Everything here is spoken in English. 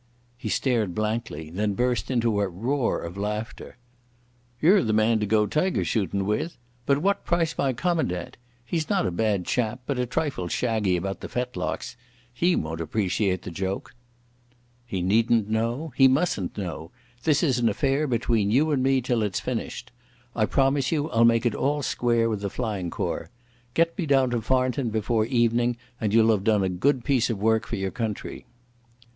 He stared blankly, and then burst into a roar of laughter. "You're the man to go tiger shootin' with. But what price my commandant? He's not a bad chap, but a trifle shaggy about the fetlocks. He won't appreciate the joke." "He needn't know. He mustn't know. This is an affair between you and me till it's finished. I promise you I'll make it all square with the Flying Corps. Get me down to Farnton before evening, and you'll have done a good piece of work for the country."